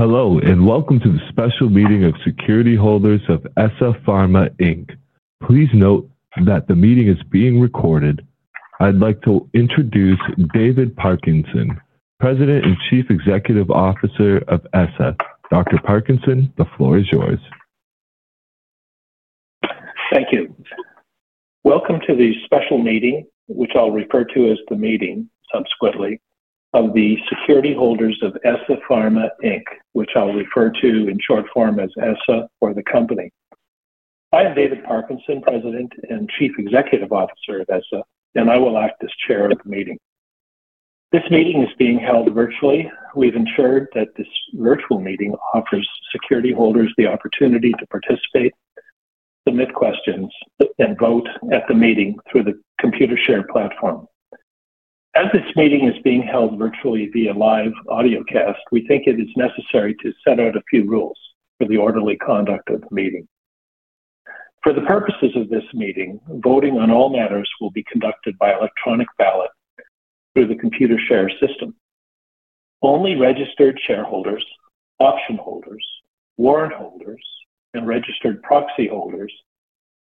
Hello and welcome to the special meeting of security holders of ESSA Pharma Inc. Please note that the meeting is being recorded. I'd like to introduce David Parkinson, President and Chief Executive Officer of ESSA. Dr. Parkinson, the floor is yours. Thank you. Welcome to the special meeting, which I'll refer to as the meeting subsequently, of the security holders of ESSA Pharma Inc., which I'll refer to in short form as ESSA or the Company. I am David Parkinson, President and Chief Executive Officer of ESSA, and I will act as Chair of the meeting. This meeting is being held virtually. We've ensured that this virtual meeting offers security holders the opportunity to participate, submit questions, and vote at the meeting through the Computershare platform. As this meeting is being held virtually via live audio cast, we think it is necessary to set out a few rules for the orderly conduct of the meeting. For the purposes of this meeting, voting on all matters will be conducted by electronic ballot through the Computershare system. Only registered shareholders, option holders, warrant holders, and registered proxy holders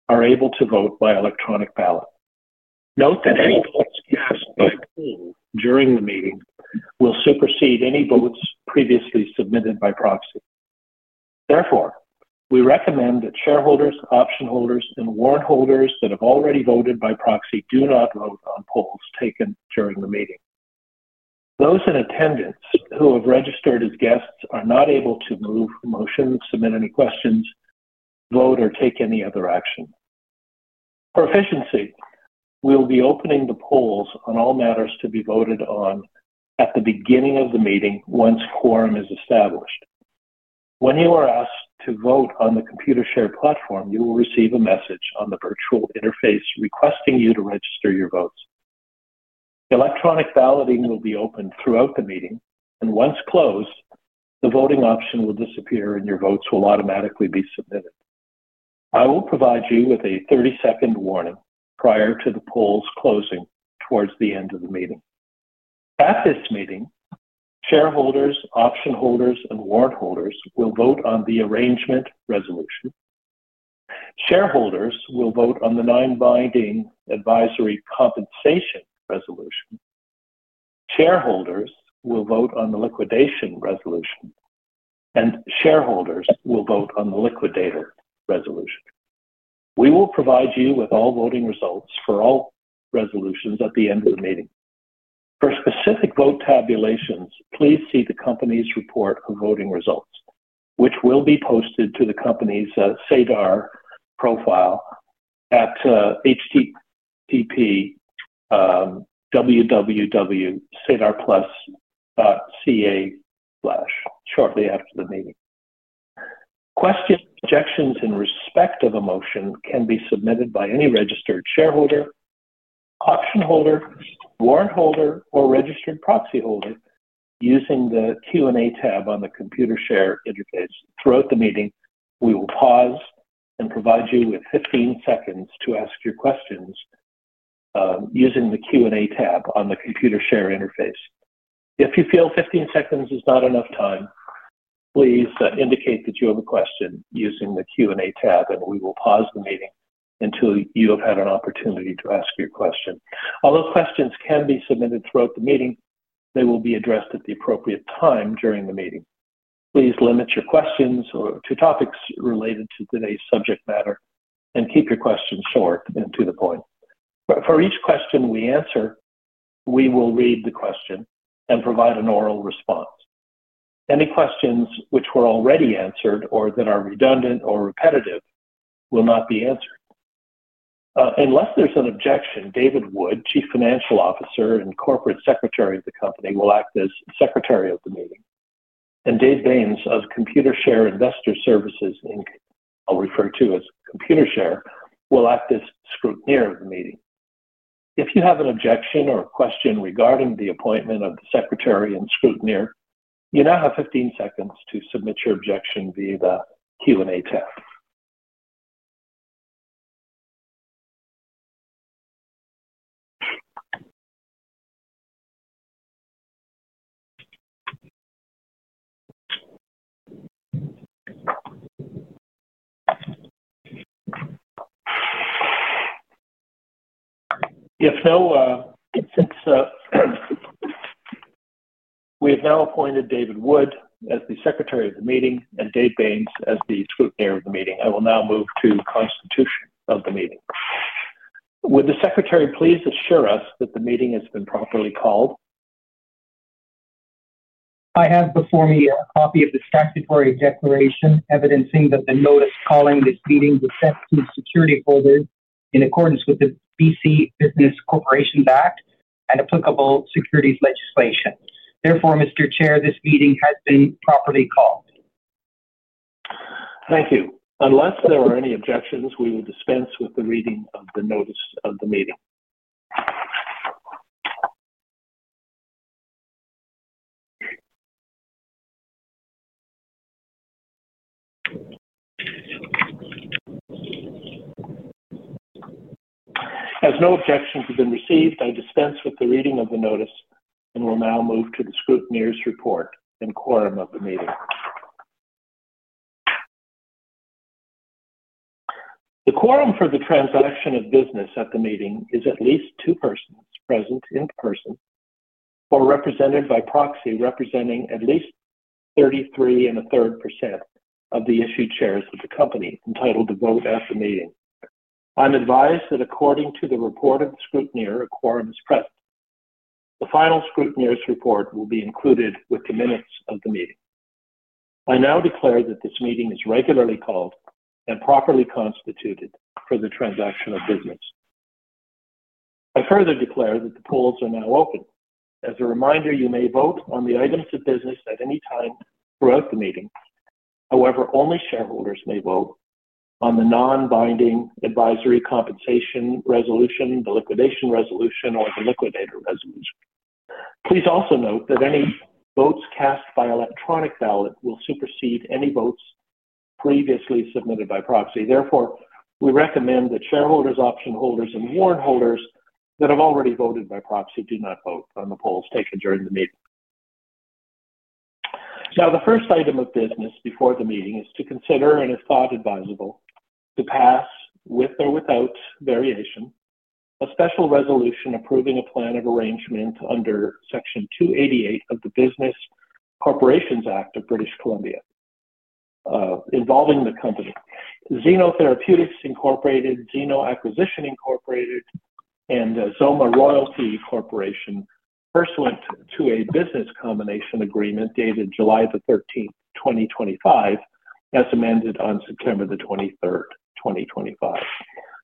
are able to vote by electronic ballot. Note that any vote you have to vote during the meeting will supersede any votes previously submitted by proxy. Therefore, we recommend that shareholders, option holders, and warrant holders that have already voted by proxy do not vote on polls taken during the meeting. Those in attendance who have registered as guests are not able to move motions, submit any questions, vote, or take any other action. For efficiency, we'll be opening the polls on all matters to be voted on at the beginning of the meeting once quorum is established. When you are asked to vote on the Computershare platform, you will receive a message on the virtual interface requesting you to register your votes. Electronic balloting will be open throughout the meeting, and once closed, the voting option will disappear and your votes will automatically be submitted. I will provide you with a 30-second warning prior to the polls closing towards the end of the meeting. At this meeting, shareholders, option holders, and warrant holders will vote on the arrangement resolution. Shareholders will vote on the non-binding advisory compensation resolution. Shareholders will vote on the liquidation resolution, and shareholders will vote on the liquidator resolution. We will provide you with all voting results for all resolutions at the end of the meeting. For specific vote tabulations, please see the company's report of voting results, which will be posted to the company's SEDAR+ profile at https://www.sedarplus.ca/ shortly after the meeting. Questions, objections in respect of a motion can be submitted by any registered shareholder, option holder, warrant holder, or registered proxy holder using the Q&A tab on the Computershare interface. Throughout the meeting, we will pause and provide you with 15 seconds to ask your questions using the Q&A tab on the Computershare interface. If you feel 15 seconds is not enough time, please indicate that you have a question using the Q&A tab, and we will pause the meeting until you have had an opportunity to ask your question. Although questions can be submitted throughout the meeting, they will be addressed at the appropriate time during the meeting. Please limit your questions to topics related to today's subject matter and keep your questions short and to the point. For each question we answer, we will read the question and provide an oral response. Any questions which were already answered or that are redundant or repetitive will not be answered. Unless there's an objection, David Wood, Chief Financial Officer and Corporate Secretary of the company, will act as Secretary of the meeting. Dave Baines of Computershare Investor Services Inc., I'll refer to as Computershare, will act as scrutineer of the meeting. If you have an objection or a question regarding the appointment of the Secretary and scrutineer, you now have 15 seconds to submit your objection via the Q&A tab. If so, we have now appointed David Wood as the Secretary of the meeting and Dave Baines as the scrutineer of the meeting. I will now move to the constitution of the meeting. Would the Secretary please assure us that the meeting has been properly called? I have before me a copy of the statutory declaration evidencing that the notice calling this meeting was sent to security holders in accordance with the B.C. Business Corporations Act and applicable securities legislation. Therefore, Mr. Chair, this meeting has been properly called. Thank you. Unless there are any objections, we will dispense with the reading of the notice of the meeting. As no objection has been received, I dispense with the reading of the notice and will now move to the scrutineer's report and quorum of the meeting. The quorum for the transaction of business at the meeting is at least two persons present in person or represented by proxy representing at least 33 1/3% of the issued shares of the company entitled to vote at the meeting. I'm advised that according to the report of the scrutineer, a quorum is present. The final scrutineer's report will be included with the minutes of the meeting. I now declare that this meeting is regularly called and properly constituted for the transaction of business. I further declare that the polls are now open. As a reminder, you may vote on the items of business at any time throughout the meeting. However, only shareholders may vote on the non-binding advisory compensation resolution, the liquidation resolution, or the liquidator resolution. Please also note that any votes cast by electronic ballot will supersede any votes previously submitted by proxy. Therefore, we recommend that shareholders, option holders, and warrant holders that have already voted by proxy do not vote on the polls taken during the meeting. Now, the first item of business before the meeting is to consider, and if thought advisable, to pass with or without variation, a special resolution approving a plan of arrangement under Section 288 of the Business Corporations Act of British Columbia involving the company, Zenotherapeutics Incorporated, Zeno Acquisition Incorporated, and Zoma Royalty Corporation, pursuant to a Business Combination Agreement dated July 13th, 2025, as amended on September 23rd, 2025.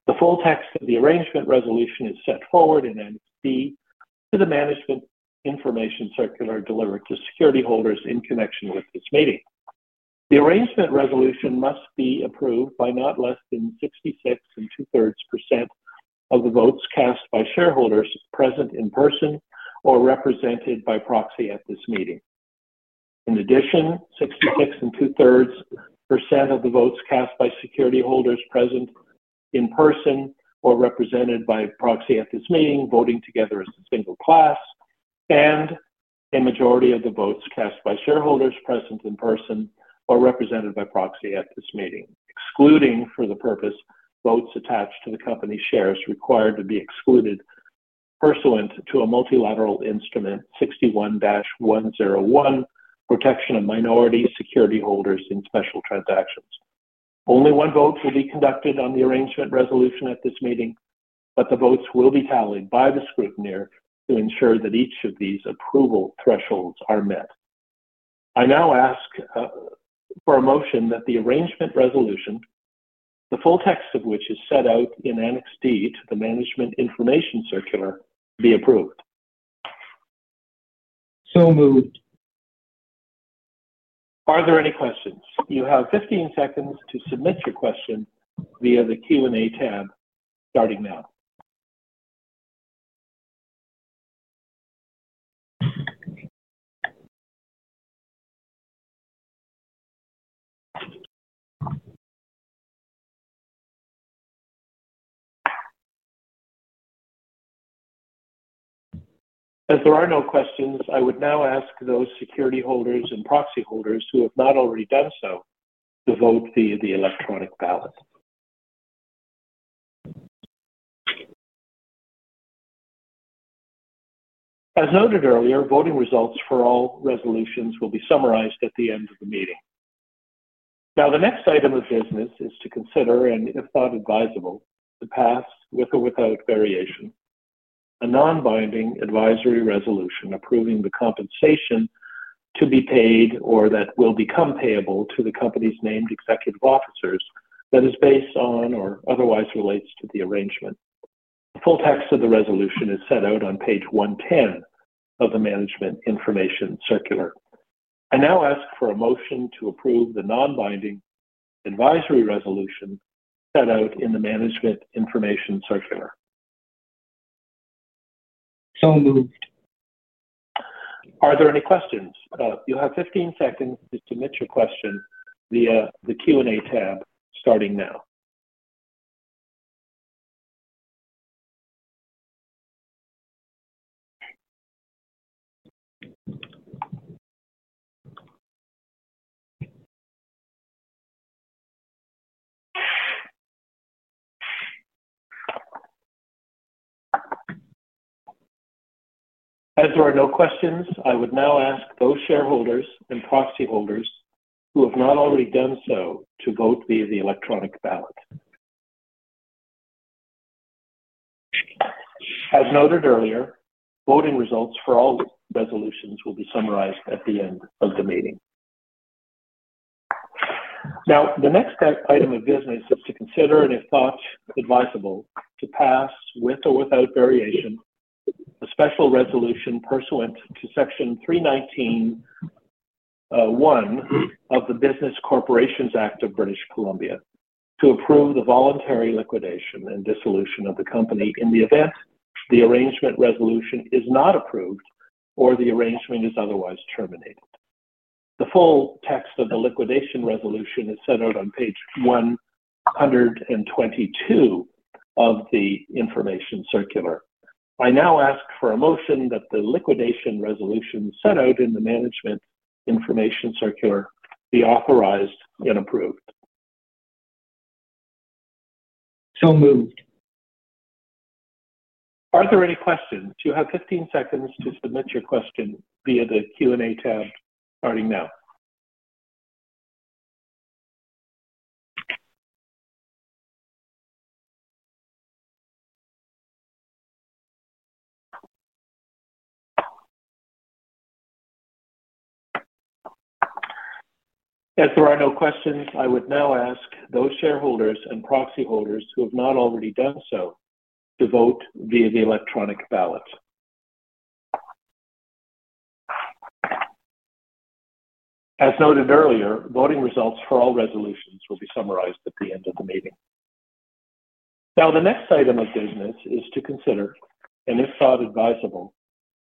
The full text of the arrangement resolution is set forward in an addendum to the management information circular delivered to security holders in connection with this meeting. The arrangement resolution must be approved by not less than 66 2/3% of the votes cast by shareholders present in person or represented by proxy at this meeting. In addition, 66 2/3% of the votes cast by security holders present in person or represented by proxy at this meeting voting together as a single class, and a majority of the votes cast by shareholders present in person or represented by proxy at this meeting, including for the purpose of votes attached to the company's shares required to be excluded pursuant to Multilateral Instrument 61-101, Protection of Minority Security Holders in Special Transactions. Only one vote will be conducted on the arrangement resolution at this meeting, but the votes will be tallied by the scrutineer to ensure that each of these approval thresholds are met. I now ask for a motion that the arrangement resolution, the full text of which is set out in Annex D to the management information circular, be approved. So moved. Are there any questions? You have 15 seconds to submit your question via the Q&A tab starting now. As there are no questions, I would now ask those security holders and proxy holders who have not already done so to vote via the electronic ballot. As noted earlier, voting results for all resolutions will be summarized at the end of the meeting. Now, the next item of business is to consider, and if thought advisable, to pass with or without variation, a non-binding advisory resolution approving the compensation to be paid or that will become payable to the company's named executive officers that is based on or otherwise relates to the arrangement. The full text of the resolution is set out on page 110 of the management information circular. I now ask for a motion to approve the non-binding advisory resolution set out in the management information circular. So moved. Are there any questions? You have 15 seconds to submit your question via the Q&A tab starting now. As there are no questions, I would now ask those shareholders and proxy holders who have not already done so to vote via the electronic ballot. As noted earlier, voting results for all resolutions will be summarized at the end of the meeting. Now, the next item of business is to consider, and if thought advisable, to pass with or without variation, a special resolution pursuant to Section 319(1) of the Business Corporations Act of British Columbia to approve the voluntary liquidation and dissolution of the company in the event the arrangement resolution is not approved or the arrangement is otherwise terminated. The full text of the liquidation resolution is set out on page 122 of the information circular. I now ask for a motion that the liquidation resolution set out in the management information circular be authorized and approved. So moved. Are there any questions? You have 15 seconds to submit your question via the Q&A tab starting now. As there are no questions, I would now ask those shareholders and proxy holders who have not already done so to vote via the electronic ballot. As noted earlier, voting results for all resolutions will be summarized at the end of the meeting. Now, the next item of business is to consider, and if thought advisable,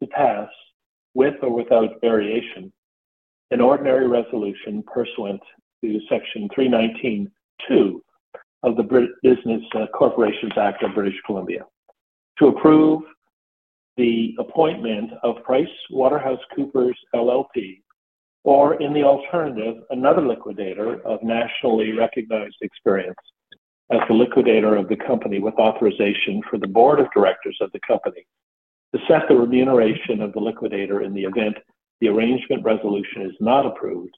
to pass with or without variation, an ordinary resolution pursuant to Section 319(2) of the Business Corporations Act of British Columbia to approve the appointment of PricewaterhouseCoopers LLP or, in the alternative, another liquidator of nationally recognized experience as the liquidator of the company with authorization for the board of directors of the company to set the remuneration of the liquidator in the event the arrangement resolution is not approved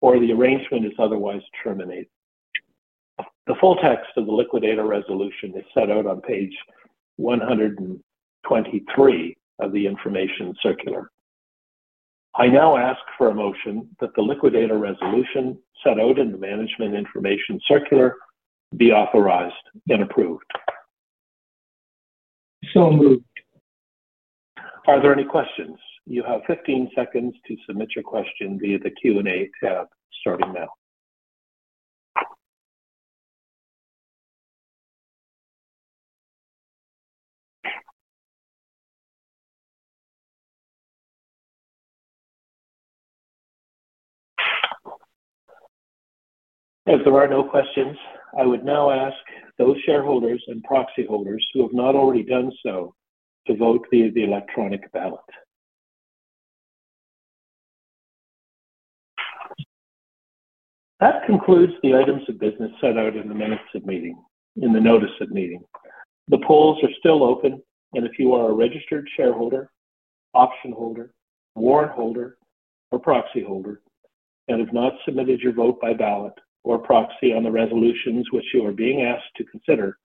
or the arrangement is otherwise terminated. The full text of the liquidator resolution is set out on page 123 of the information circular. I now ask for a motion that the liquidator resolution set out in the management information circular be authorized and approved. So moved. Are there any questions? You have 15 seconds to submit your question via the Q&A tab starting now. If there are no questions, I would now ask those shareholders and proxy holders who have not already done so to vote via the electronic ballot. That concludes the items of business set out in the minutes of meeting, in the notice of meeting. The polls are still open, and if you are a registered shareholder, option holder, warrant holder, or proxy holder, and have not submitted your vote by ballot or proxy on the resolutions which you are being asked to consider,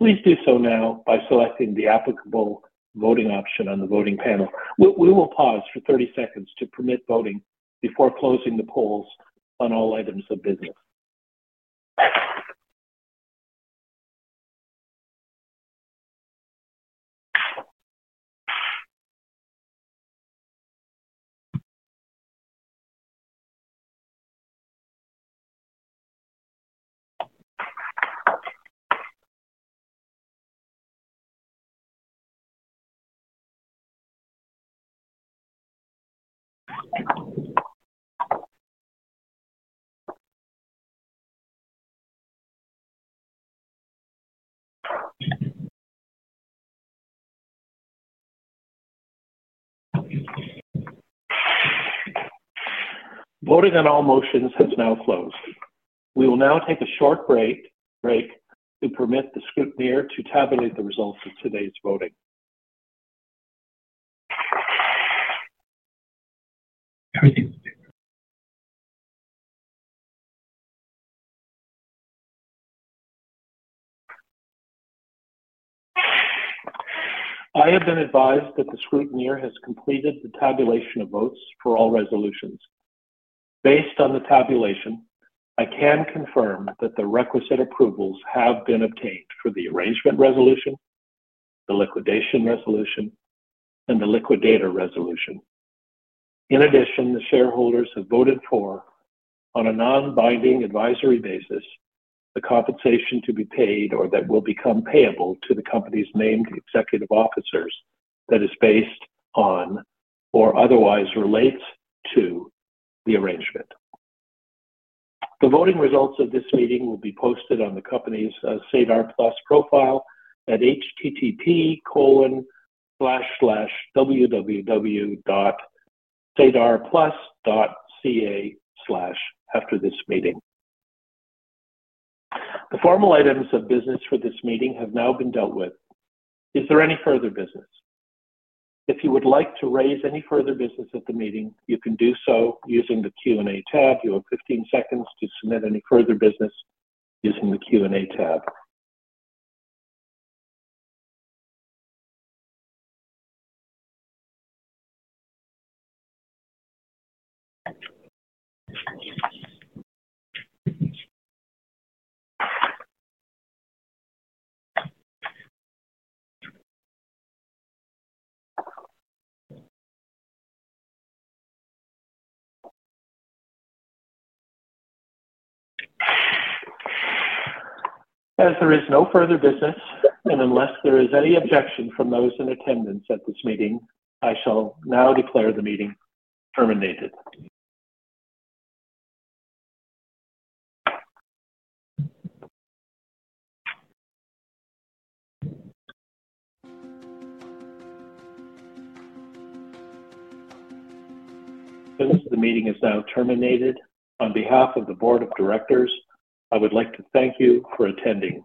please do so now by selecting the applicable voting option on the voting panel. We will pause for 30 seconds to permit voting before closing the polls on all items of business. Voted on all motions, which now close. We will now take a short break to permit the scrutineer to tabulate the results of today's voting. I have been advised that the scrutineer has completed the tabulation of votes for all resolutions. Based on the tabulation, I can confirm that the requisite approvals have been obtained for the arrangement resolution, the liquidation resolution, and the liquidator resolution. In addition, the shareholders have voted for, on a non-binding advisory basis, the compensation to be paid or that will become payable to the company's named executive officers that is based on or otherwise relates to the arrangement. The voting results of this meeting will be posted on the company's SEDAR+ profile at https://www.sedarplus.ca/afterthismeeting. The formal items of business for this meeting have now been dealt with. Is there any further business? If you would like to raise any further business at the meeting, you can do so using the Q&A tab. You have 15 seconds to submit any further business using the Q&A tab. As there is no further business, and unless there is any objection from those in attendance at this meeting, I shall now declare the meeting terminated. This meeting is now terminated. On behalf of the board of directors, I would like to thank you for attending.